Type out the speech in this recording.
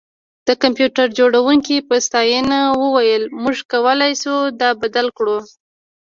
د کمپیوټر جوړونکي په ستاینه وویل موږ کولی شو دا بدل کړو